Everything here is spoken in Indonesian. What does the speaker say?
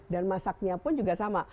dan masaknya pun juga sama